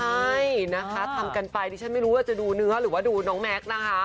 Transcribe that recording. ใช่นะคะทำกันไปดิฉันไม่รู้ว่าจะดูเนื้อหรือว่าดูน้องแม็กซ์นะคะ